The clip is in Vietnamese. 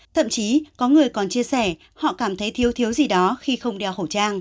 thậm chí có người còn chia sẻ họ cảm thấy thiếu gì đó khi không đeo khẩu trang